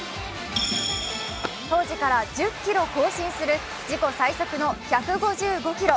当時から１０キロ更新する自己最速の１５５キロ。